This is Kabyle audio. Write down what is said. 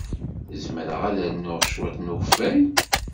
Zemreɣ ad rnuɣ cwiṭ n ukeffay?